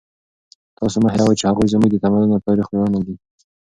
تاسو مه هېروئ چې هغوی زموږ د تمدن او تاریخ ویاړونه دي.